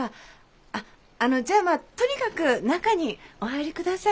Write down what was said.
あっあのじゃあまあとにかく中にお入りください。